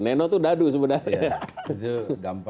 nenno itu dadu sebenarnya